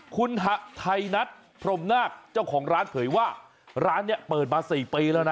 คุณหะไทยนัทพรมนาคเจ้าของร้านเผยว่าร้านนี้เปิดมา๔ปีแล้วนะ